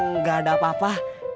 nggak ada apa apa